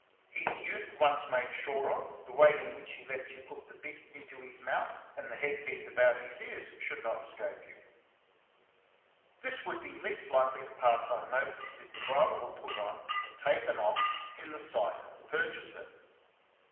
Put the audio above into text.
His youth once made sure of, the way in which he lets you put the bit into his mouth, and the head piece about his ears, should not escape you. This would be least likely to pass unnoticed if the bridle were put on and taken off in the sight 24 XENOPHON ON HORSEMANSHIP. of the purchaser.